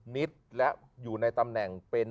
นิดและอยู่ในตำแหน่งเป็น